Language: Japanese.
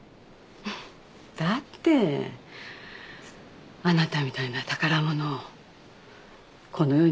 だってあなたみたいな宝物をこの世に残せたんだもの。